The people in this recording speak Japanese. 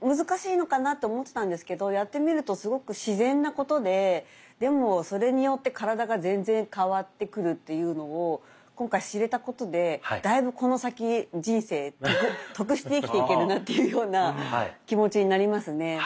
難しいのかなと思ってたんですけどやってみるとすごく自然なことででもそれによって体が全然変わってくるというのを今回知れたことでだいぶこの先人生得して生きていけるなというような気持ちになりますね。